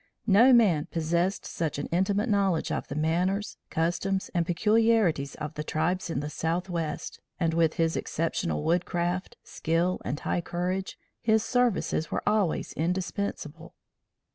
No man possessed such an intimate knowledge of the manners, customs and peculiarities of the tribes in the southwest, and with his exceptional woodcraft, skill and high courage his services were always indispensable.